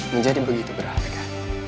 menjadi begitu berharga